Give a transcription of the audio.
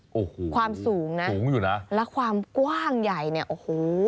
โอ้โหสูงอยู่นะความสูงและความกว้างใหญ่โอ้โห